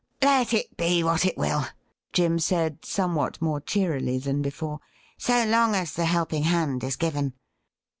' Let it be what it will,' Jim said somewhat more cheerily than before, ' so long as the helping hand is given.